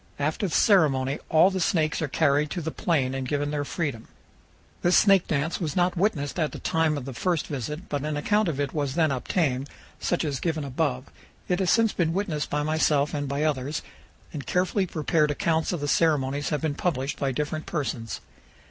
After the ceremony all of the snakes are carried to the plain and given their freedom. This snake dance was not witnessed at the time of the first visit, but an account of it was then obtained, such as given above. It has since been witnessed by myself and by others, and carefully prepared accounts of the ceremonies have been published by different persons.